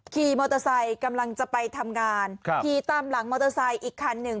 ขี่มอเตอร์ไซค์กำลังจะไปทำงานขี่ตามหลังมอเตอร์ไซค์อีกคันหนึ่ง